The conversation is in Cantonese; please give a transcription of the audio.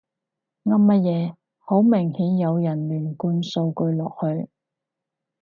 噏乜嘢，好明顯有人亂灌數據落去